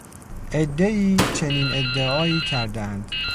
عدهای چنین ادعایی کردهاند